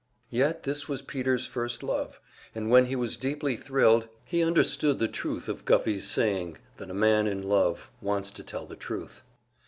Yet, this was Peter's first love, and when he was deeply thrilled, he understood the truth of Guffey's saying that a man in love wants to tell the truth.